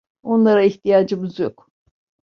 Onlara ihtiyacımız yok.